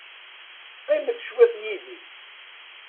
Qqimet cwiṭ yid-i.